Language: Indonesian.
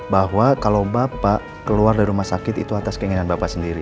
bahwa kalau bapak keluar dari rumah sakit itu atas keinginan bapak sendiri